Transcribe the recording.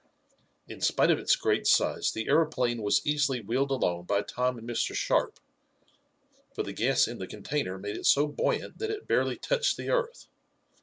In spite of its great size the aeroplane was easily wheeled along by Tom and Mr. Sharp, for the gas in the container made it so buoyant that it barely touched the earth.